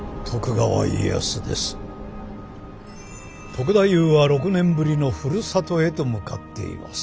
篤太夫は６年ぶりのふるさとへと向かっています。